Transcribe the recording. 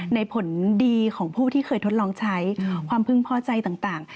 ผลดีของผู้ที่เคยทดลองใช้ความพึงพอใจต่าง